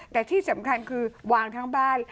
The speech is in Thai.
แต่ที่สำคัญคือวางทั้งบ้าน